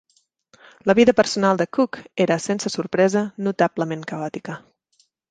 La vida personal de Cooke era, sense sorpresa, notablement caòtica.